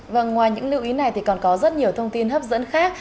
và ngoài những lưu ý này thì còn có rất nhiều thông tin hấp dẫn khác